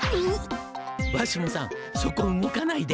わしもさんそこ動かないで。